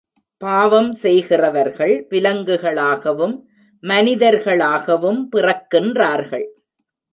பாவம் செய்கிறவர்கள் விலங்குகளாகவும், மனிதர்களாகவும் பிறக்கின்றார்கள்.